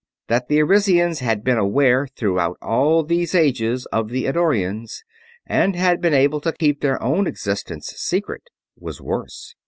That the Arisians had been aware throughout all those ages of the Eddorians, and had been able to keep their own existence secret, was worse.